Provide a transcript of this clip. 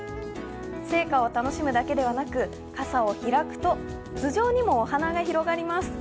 生花を楽しむだけではなく、傘を開くと頭上にもお花が広がります。